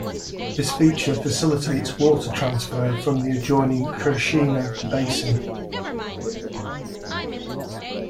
This feature facilitates water transfer from the adjoining Krishna basin.